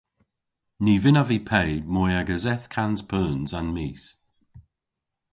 Ny vynnav vy pe moy ages eth kans peuns an mis.